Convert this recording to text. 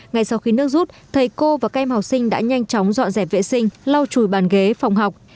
ngay sau khi nước rút thầy cô và các em học sinh đã nhanh chóng dọn dẹp vệ sinh lau chùi bàn ghế phòng học